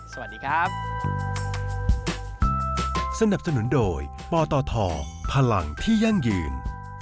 สวัสดีครับ